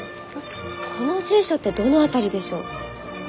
この住所ってどの辺りでしょう？